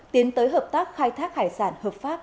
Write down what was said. tiến tới hợp tác khai thác hải sản hợp pháp